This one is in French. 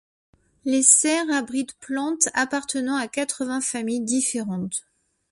Les serres abritent plantes appartenant à quatre-vingts familles différentes.